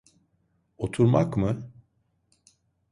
Oturmak mı?